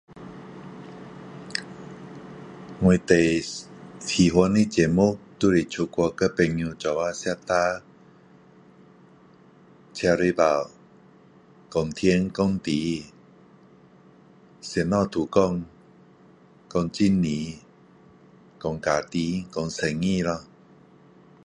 我最喜欢的节目就是出去跟朋友一起喝茶车大炮讲天讲地什么都讲出政治讲家庭讲生意咯